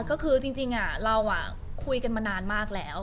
ก็คือจริงเรามานานมากแล้ว